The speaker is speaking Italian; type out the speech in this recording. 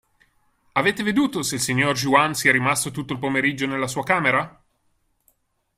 Avete veduto se il signor Juan sia rimasto tutto il pomeriggio nella sua camera?